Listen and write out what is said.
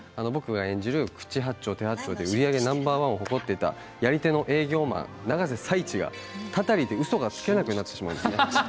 僕が演じる口八丁手八丁で売り上げナンバーワンを誇っていたやり手の営業マン・永瀬財地がたたりで、うそがつけなくなってしまうっていうね。